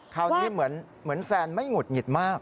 คราวนี้เหมือนแซนไม่หุดหงิดมาก